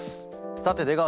さて出川様